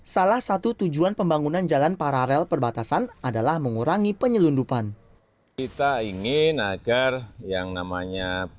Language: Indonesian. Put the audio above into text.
salah satu tujuan pembangunan jalan paralel perbatasan adalah mengurangi penyelundupan